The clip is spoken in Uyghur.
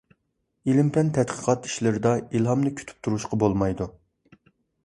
ئىلىم پەن تەتقىقات ئىشلىرىدا ئىلھامنى كۈتۈپ تۇرۇشقا بولمايدۇ.